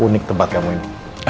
unik tempat kamu ini